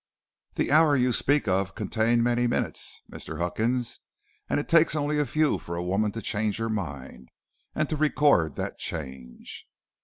"'The hour you speak of contained many minutes, Mr. Huckins; and it takes only a few for a woman to change her mind, and to record that change.'